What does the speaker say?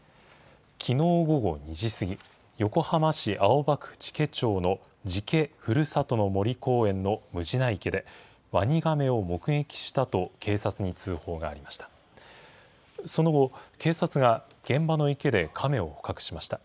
きのう午後２時過ぎ、横浜市青葉区寺家町の寺家ふるさとの森公園のむじな池で、ワニガメを目撃したと警察に通報がありました。